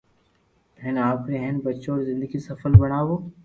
ھين آپري ھين ٻچو ري زندگي سفل بڻاوُ